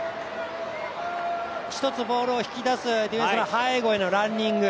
一つボールを引き出すディフェンスの背後へのランニング。